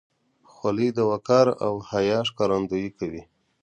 خولۍ د وقار او حیا ښکارندویي کوي.